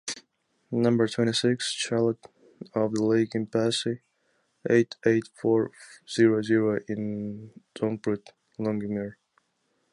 Number twenty-six Chalet of the Lake impasse, eight-eight-four-zero-zero in Xonrupt-Longemer.